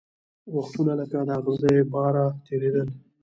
وختونه لکه د اغزیو باره تېرېدل